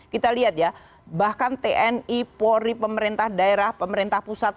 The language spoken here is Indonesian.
kita lihat ya bahkan tni polri pemerintah daerah pemerintah pusat